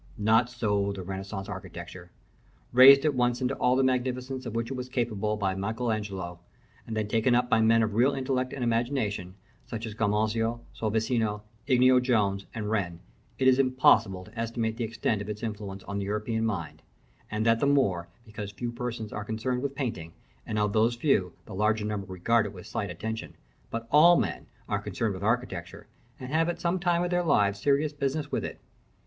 Not so the Renaissance architecture. Raised at once into all the magnificence of which it was capable by Michael Angelo, then taken up by men of real intellect and imagination, such as Scamozzi, Sansovino, Inigo Jones, and Wren, it is impossible to estimate the extent of its influence on the European mind; and that the more, because few persons are concerned with painting, and, of those few, the larger number regard it with slight attention; but all men are concerned with architecture, and have at some time of their lives serious business with it.